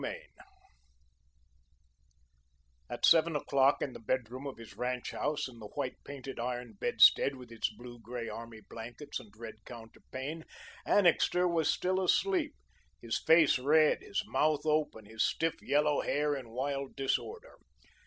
CHAPTER V At seven o'clock, in the bedroom of his ranch house, in the white painted iron bedstead with its blue grey army blankets and red counterpane, Annixter was still asleep, his face red, his mouth open, his stiff yellow hair in wild disorder.